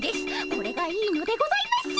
これがいいのでございます！